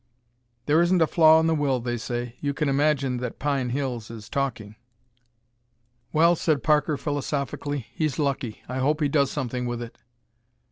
"There isn't a flaw in the will, they say. You can imagine that Pine Hills is talking!" "Well," said Parker philosophically, "he's lucky. I hope he does something with it."